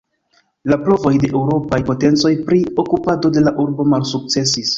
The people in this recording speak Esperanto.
La provoj de eŭropaj potencoj pri okupado de la urbo malsukcesis.